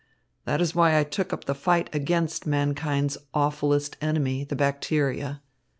That is why I took up the fight against mankind's awfullest enemy, the bacteria.